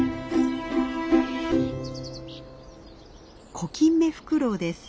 コキンメフクロウです。